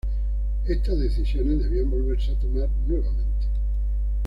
Estas decisiones debían volverse a tomar nuevamente.